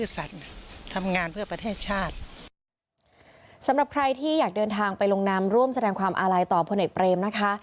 สำหรับใครที่อยากเดินทางไปลงนามร่วมแสดงความอาลัยต่อพลเอกเปรมนะคะ